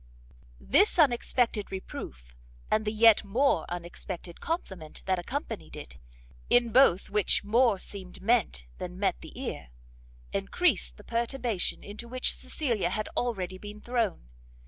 This unexpected reproof, and the yet more unexpected compliment that accompanied it, in both which more seemed meant than met the ear, encreased the perturbation into which Cecilia had already been thrown.